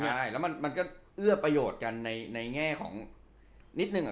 ใช่แล้วมันก็เอื้อประโยชน์กันในแง่ของนิดนึง